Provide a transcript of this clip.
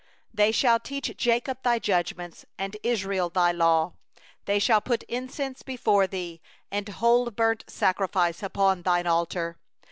10They shall teach Jacob Thine ordinances, And Israel Thy law; They shall put incense before Thee, And whole burnt offering upon Thine altar.